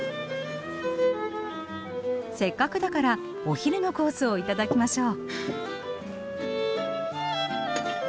せっかくだからお昼のコースを頂きましょう。